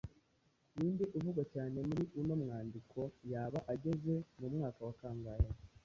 Ni nde uvugwa cyane muri uno mwandiko. Yaba ageze mu mwaka wa kangahe?